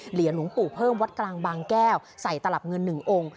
หลวงปู่เพิ่มวัดกลางบางแก้วใส่ตลับเงิน๑องค์